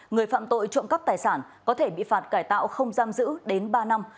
người phạm tội trộm cắp tài sản có thể bị phạt cải tạo không giam giữ đến ba năm